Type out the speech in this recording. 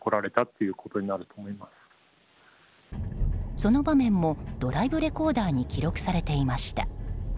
その場面もドライブレコーダーに記録されていました。